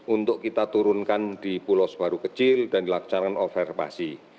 untuk kita turunkan di pulau sebaru kecil dan dilaksanakan observasi